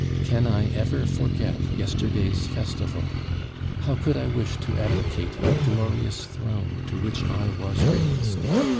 Can I ever forget yesterday's festival? How could I wish to abdicate the glorious throne to which I was raised?